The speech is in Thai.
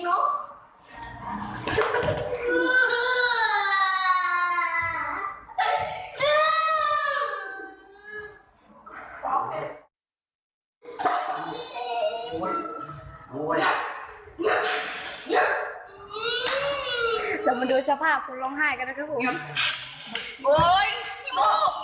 เดี๋ยวมาดูสภาพคนร้องไห้กันนะครับผม